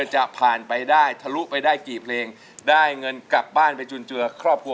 จะผ่านไปได้ทะลุไปได้กี่เพลงได้เงินกลับบ้านไปจุนเจือครอบครัว